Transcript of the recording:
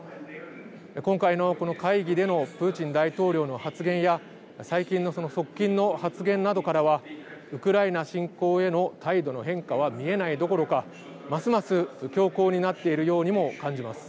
今回の、この会議でのプーチン大統領の発言や最近のその側近の発言などからはウクライナ侵攻への態度の変化は見えないどころかますます強硬になっているようにも感じます。